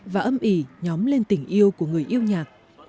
và âm ỉ nhóm lên tình yêu của người yêu nhạc